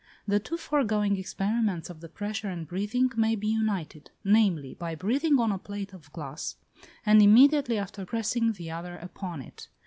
The two foregoing experiments of the pressure and breathing may be united; namely, by breathing on a plate of glass, and immediately after pressing the other upon it.